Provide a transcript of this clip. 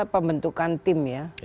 pembentukan tim ya